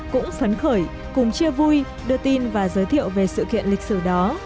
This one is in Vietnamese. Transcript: cũng phấn khởi cùng chia vui đưa tin và giới thiệu về sự kiện lịch sử đó